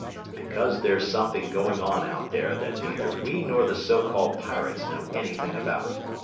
"Because there's something going on out there that neither we nor the so called pirates know anything about.